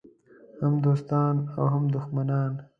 هم دوستان او هم دښمنان.